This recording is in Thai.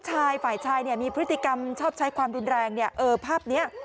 ฝ่ายชายเนี่ยมีพฤติกรรมชอบใช้ความรุนแรงเนี่ยเออภาพนี้